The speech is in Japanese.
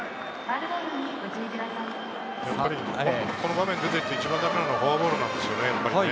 この場面で出てきて一番だめなのはフォアボールなんですよね。